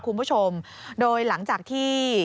คุณผู้ชมโดยหลังจากที่